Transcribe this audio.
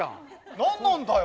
何なんだよ！